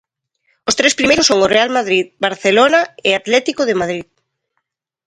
Os tres primeiros son o Real Madrid, Barcelona e Atlético de Madrid.